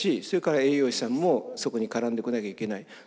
それから栄養士さんもそこに絡んでこなきゃいけない。